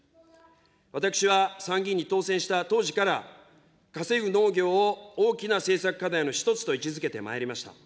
私は参議院に当選した当時から、稼ぐ農業を大きな政策課題の一つと位置づけてまいりました。